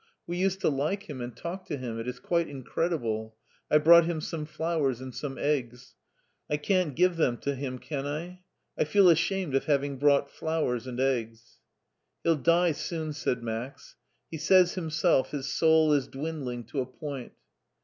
" We used to like him, and talk to him. It is quite incredible. I brought him some flowers and some eggs. I can't give them to him, can I ? I fed ashamed of having brought flowers and eggs." " He'll die soon," said Max ;" he says himself his soul is dwindling to a point."